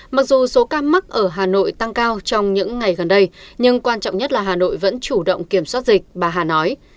mặc dù số ca mắc ở hà nội tăng cao trong những ngày gần đây nhưng quan trọng nhất là hà nội vẫn chủ động kiểm soát dịch bà hà nói